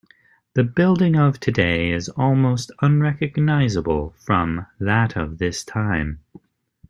The building of today is almost unrecognisable from that of this time.